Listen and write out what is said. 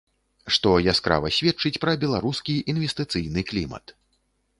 Што яскрава сведчыць пра беларускі інвестыцыйны клімат.